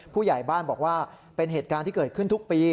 ผู้ใหญ่บ้านบอกว่าเป็นเหตุการณ์ที่เกิดขึ้นทุกปี